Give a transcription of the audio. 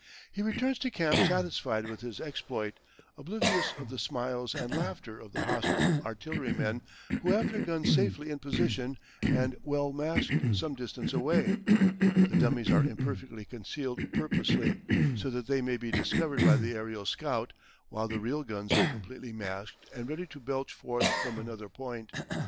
He returns to camp satisfied with his exploit, oblivious of the smiles and laughter of the hostile artillerymen, who have their guns safely in position and well masked some distance away. The dummies are imperfectly concealed purposely, so that they may be discovered by the aerial scout, while the real guns are completely masked and ready to belch forth from another point.